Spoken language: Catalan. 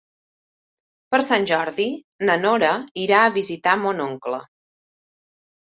Per Sant Jordi na Nora irà a visitar mon oncle.